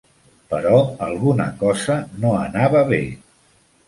Però alguna cosa no anava bé.